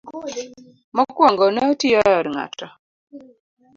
Mokwongo ne otiyo e od ng'ato.